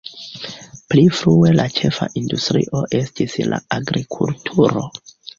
Pli frue la ĉefa industrio estis la agrikulturo.